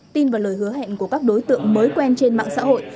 tin vào lời hứa hẹn của các đối tượng mới quen trên mạng xã hội